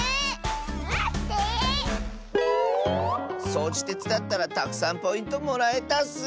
そうじてつだったらたくさんポイントもらえたッス。